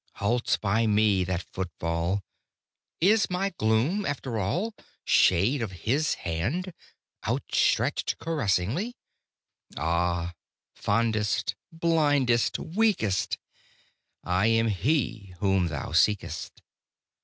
Halts by me that footfall: Is my gloom, after all, Shade of His hand, outstretched caressingly? "Ah, fondest, blindest, weakest, I am He Whom thou seekest!